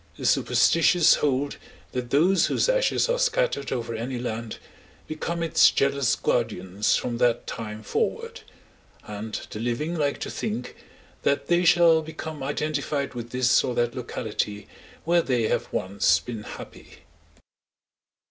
The superstitious hold that those whose ashes are scattered over any land become its jealous guardians from that time forward; and the living like to think that they shall become identified with this or that locality where they have once been happy.